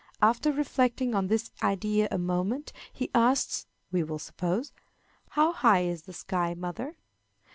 After reflecting on this idea a moment, he asks, we will suppose, "How high in the sky, mother?"